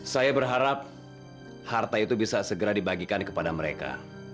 saya berharap harta itu bisa segera dibagikan kepada mereka